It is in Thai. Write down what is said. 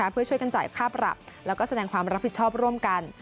เพื่อช่วยกันจ่ายค่าปรับแล้วก็แสดงความรับผิดชอบร่วมกัน